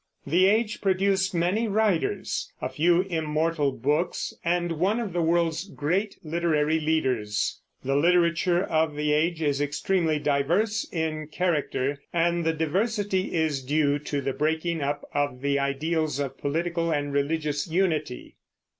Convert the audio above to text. The age produced many writers, a few immortal books, and one of the world's great literary leaders. The literature of the age is extremely diverse in character, and the diversity is due to the breaking up of the ideals of political and religious unity.